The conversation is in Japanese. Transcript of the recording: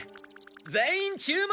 全員注目！